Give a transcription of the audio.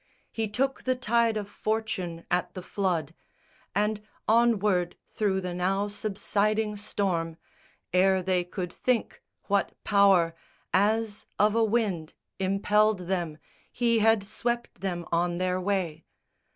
He took the tide of fortune at the flood; And onward through the now subsiding storm, Ere they could think what power as of a wind Impelled them, he had swept them on their way.